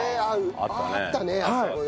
あったねあそこね。